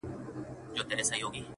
• ستا او ورور تر مابین ډېره فاصله ده..